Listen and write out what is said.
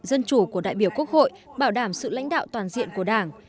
dân chủ của đại biểu quốc hội bảo đảm sự lãnh đạo toàn diện của đảng